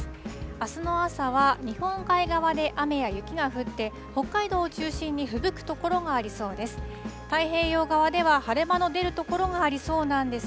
あすの朝は日本海側で雨や雪が降って、北海道を中心にふぶく所がありそうです。